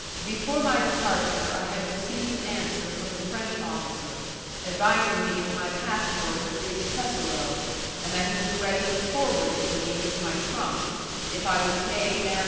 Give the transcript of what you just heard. Before my departure I had received an answer from the French officer, advising me that my passport had reached Pesaro, and that he was ready to forward it to me with my trunk, if I would pay M.